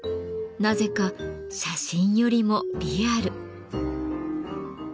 なぜか写真よりもリアル。